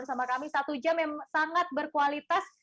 bersama kami satu jam yang sangat berkualitas